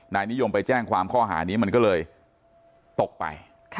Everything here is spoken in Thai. นิยมไปแจ้งความข้อหานี้มันก็เลยตกไป